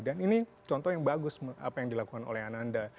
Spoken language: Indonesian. dan ini contoh yang bagus apa yang dilakukan oleh ananda